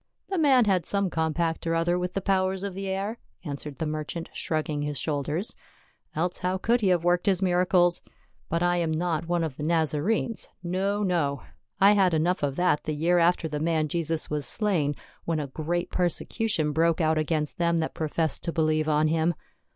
" The man had some compact or other with the powers of the air," answered the merchant shrugging his shoulders, " else how could he have worked his miracles. But I am not one of the Nazarenes — no, no. I had enough of that the year after the man Jesus was slain, when a great persecution broke out against them that professed to believe on him.